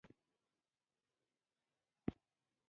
د افغانستان د کورونو پر سر هندارې نصب شوې دي.